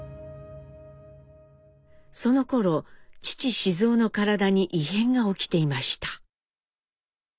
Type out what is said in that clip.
そのころ父雄の体に異変が起きていました。